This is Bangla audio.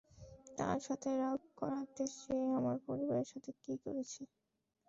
তার সাথে রাগ করাতে সে আমার পরিবারের সাথে কী করেছে।